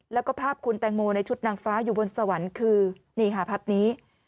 แล้วก็ภาพคุณแตงโมในชุดนางฟ้าอยู่บนสวรรค์คือนี่ค่ะภาพนี้